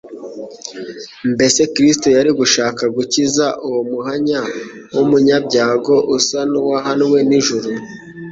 Mbese Kristo yari gushaka gukiza uwo muhanya w'umunyabyago usa n'uwahanwe n'ijuru?